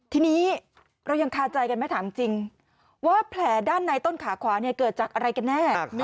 ทีนี้เรายังคาใจกันไม่ถามจริงว่าแผลด้านในต้นขาขวาเกิดจากอะไรกันแน่